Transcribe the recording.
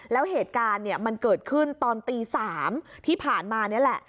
แล้วเหตุการณ์เนี่ยมันเกิดขึ้นตอนตี๓ที่ผ่านมานี่แหละ